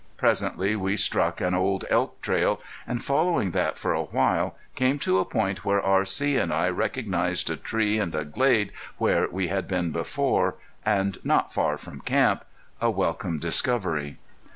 Presently we struck an old elk trail, and following that for a while, came to a point where R.C. and I recognized a tree and a glade where we had been before and not far from camp a welcome discovery.